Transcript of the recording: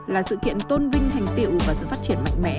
là sự kiện tôn vinh thành tiệu và sự phát triển mạnh mẽ